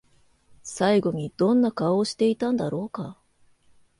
最後にどんな顔をしていたんだろうか？